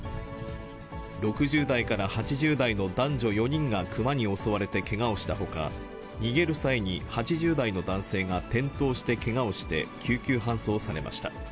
６０代から８０代の男女４人がクマに襲われてけがをしたほか、逃げる際に８０代の男性が転倒してけがをして、救急搬送されました。